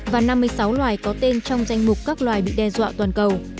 và năm mươi sáu loài có tên trong danh mục các loài bị đe dọa toàn cầu